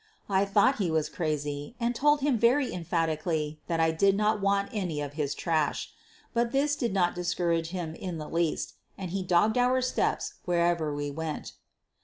I thought he was crazy and told him very em phatically that I didn't want any of his trash. But this did not discourage him in the least, and he dogged our footsteps wherever we went.